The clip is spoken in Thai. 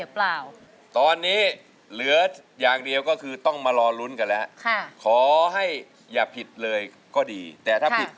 ป้ายที่๑ถึง๖นะคะ